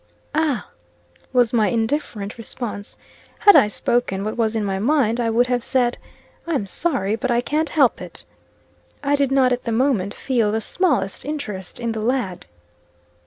"Ah!" was my indifferent response. Had I spoken, what was in my mind, I would have said, "I'm sorry, but I can't help it." I did not at the moment feel the smallest interest in the lad.